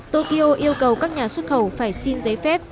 tokyo yêu cầu các nhà xuất khẩu phải xin giấy phép